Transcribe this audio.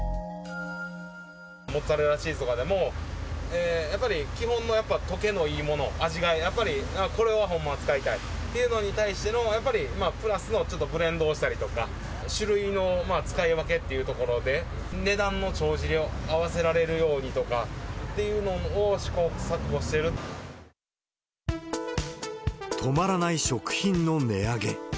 モッツァレラチーズとかでも、やっぱり基本のやっぱ溶けのいいもの、味がやっぱり、これはほんまは使いたいっていうのに対しての、やっぱりプラスのちょっとブレンドをしたりとか、種類の使い分けっていうところで、値段の帳尻を合わせられるようにとかってい止まらない食品の値上げ。